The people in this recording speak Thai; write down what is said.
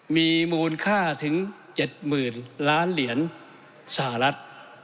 มีมูลค่าถึง๗๐๐๐ล้านเหรียญสหรัฐ